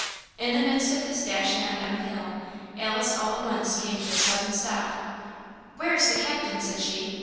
In the midst of this dashing on down the hill, Alice all at once came to a sudden stop. "Where's the Captain?" said she.